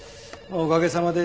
おかげさまで。